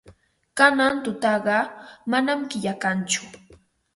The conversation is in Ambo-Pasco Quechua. Kanan tutaqa manam killa kanchu.